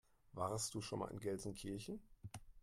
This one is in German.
Warst du schon mal in Gelsenkirchen?